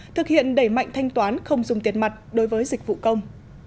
thực hiện đẩy mạnh thanh toán không dùng tiền mặt đối với dịch vụ công